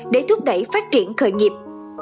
để thúc đẩy phát triển khởi nghiệp